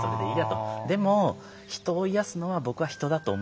でも人を癒やすのは僕は人だと思うんです。